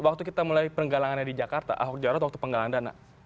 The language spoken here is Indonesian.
waktu kita mulai penggalangannya di jakarta ahok jarot waktu penggalangan dana